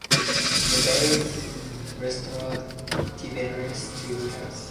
This veil restored Tiberius to health.